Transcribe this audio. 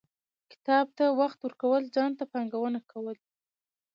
• کتاب ته وخت ورکول، ځان ته پانګونه کول دي.